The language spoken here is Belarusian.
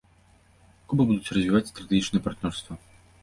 Куба будуць развіваць стратэгічнае партнёрства.